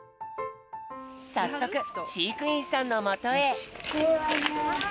さっそくしいくいんさんのもとへ。